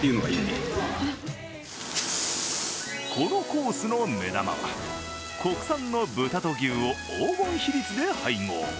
このコースの目玉は国産の豚と牛を黄金比率で配合。